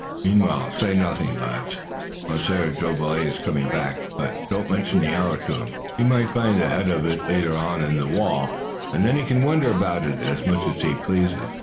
Meanwhile, say nothing, lads. Monsieur Jolivet is coming back, but don't mention the arrow to him. He may find the head of it later on in the wall, and then he can wonder about it as much as he pleases."